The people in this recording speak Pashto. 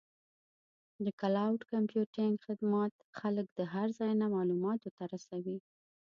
د کلاؤډ کمپیوټینګ خدمات خلک د هر ځای نه معلوماتو ته رسوي.